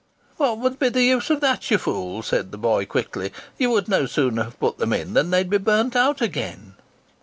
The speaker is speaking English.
"What would be the use of that, you fool?" said the boy quickly. "You would no sooner have put them in than they would be burnt out again!"